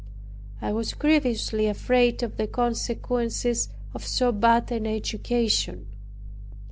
I was grievously afraid of the consequences of so bad an education.